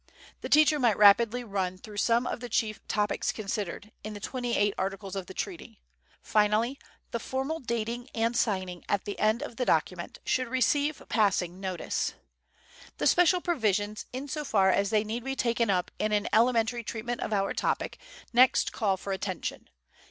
The teacher might rapidly run through some of the chief topics considered, in the twenty eight articles of the treaty. Finally, the formal dating and signing at the end of the document should receive passing notice. The special provisions, in so far as they need be taken up in an elementary treatment of our topic, next call for attention.